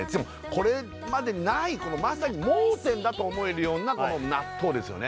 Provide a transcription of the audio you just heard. これまでにないまさに盲点だと思えるようなこの納豆ですよね